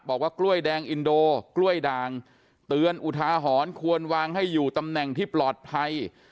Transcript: บอกว่ากล้วยแดงอินโดกล้วยด่างเตือนอุทาหรณ์ควรวางให้อยู่ตำแหน่งที่ปลอดภัย